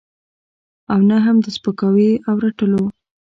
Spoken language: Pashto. او نه هم د سپکاوي او رټلو.